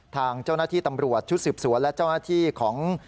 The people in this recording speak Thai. ทางเจ้าหน้าที่ตำรวจชุดสืบสวนและเจ้าหน้าที่ของ